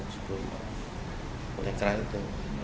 sebelum lekra itu